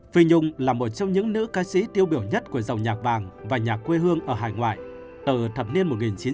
phi nhung là một trong những nữ ca sĩ tiêu biểu nhất của giàu nhạc vàng và nhạc quê hương ở hải ngoại từ thập niên một nghìn chín trăm bảy mươi